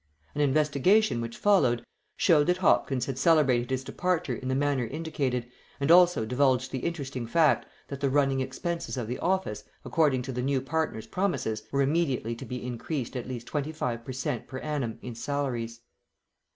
An investigation, which followed, showed that Hopkins had celebrated his departure in the manner indicated, and also divulged the interesting fact that the running expenses of the office, according to the new partner's promises, were immediately to be increased at least twenty five per cent. per annum in salaries.